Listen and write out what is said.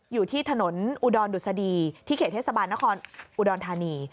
อยู่ที่ถนนอุดรดุษฎีที่เขตเทศบาลนครอุดรธานี